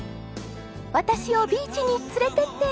「私をビーチに連れてって！」